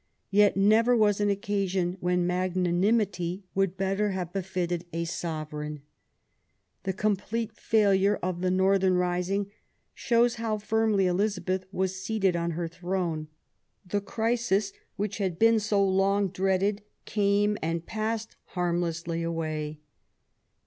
Yet never was an occasion when magnanimity would better have be fitted a Sovereign. The complete failure of the northern rising showed how firmly Elizabeth was seated on her throne. The crisis, which had been so long dreaded, came and passed harmlessly away.